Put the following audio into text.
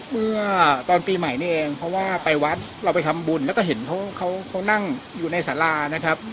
เมื่อตอนปีใหม่นี่เองเพราะว่าไปวัดเราไปทำบุญแล้วก็เห็นเขานั่งอยู่ในสารานะครับ